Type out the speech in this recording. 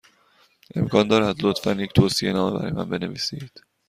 امکان دارد، لطفا، یک توصیه نامه برای من بنویسید؟